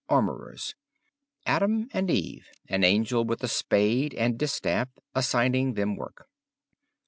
Armourers. Adam and Eve, an angel with a spade and distaff assigning them work.